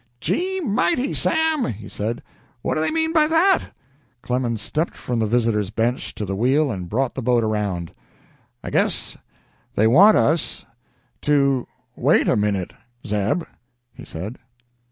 "Gee mighty, Sam!" he said. "What do they mean by that?" Clemens stepped from the visitors' bench to the wheel and brought the boat around. "I guess they want us to wait a minute Zeb," he said.